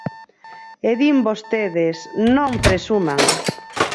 E din vostedes: non presuman.